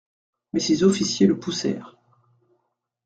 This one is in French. Mais ses officiers le poussèrent.